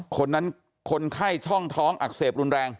คนนั้นคนไข้ช่องท้องอักเสบรุนแรง